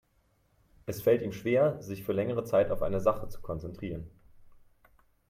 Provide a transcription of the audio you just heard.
Es fällt ihm schwer, sich für längere Zeit auf eine Sache zu konzentrieren.